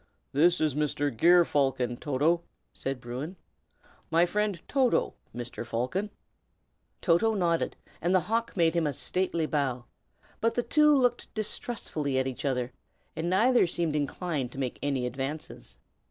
"This is Mr. Ger Falcon, Toto," said Bruin. "My friend Toto, Mr. Falcon." Toto nodded, and the hawk made him a stately bow; but the two looked distrustfully at each other, and neither seemed inclined to make any advances.